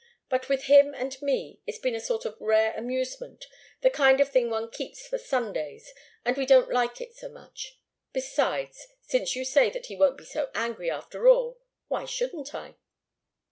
But with him and me, it's been a sort of rare amusement the kind of thing one keeps for Sundays, and we don't like it so much. Besides, since you say that he won't be so angry after all, why shouldn't I?"